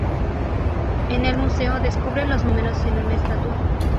En el museo, descubre los números en una estatua.